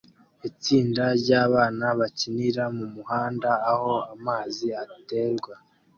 Itsinda ryabana bakinira mumuhanda aho amazi aterwa